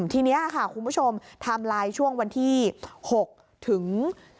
ทีนี้คุณผู้ชมทาวน์ไลน์ช่วงวันที่๖ถึง๑๖